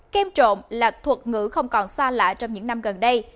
kem trộn là thuật ngữ không còn xa lạ trong những năm gần đây